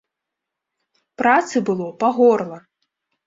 Працы было па горла!